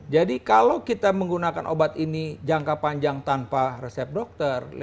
kalau kita menggunakan obat ini jangka panjang tanpa resep dokter